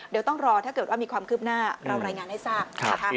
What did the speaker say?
เดี๋ยวต้องรอถ้าเกิดว่ามีความคืบหน้าเรารายงานให้ทราบนะคะ